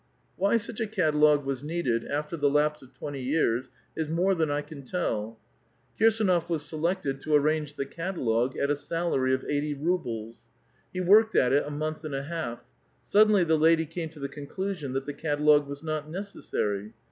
Why such a catalogue was needed, after the lapse of twenty years, is more than I can toll. Kirsdnof was se lected to aiTange the catalogue, at a salary of ei<>:hty rubles. He worked at it a month and a half. Suddi^nlv the hidv came to the cK>nclusion that the catalogue was not necessary.